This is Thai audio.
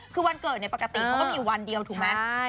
คือวันเกิดในปกติเขาก็มีวันเดียวถูกไหม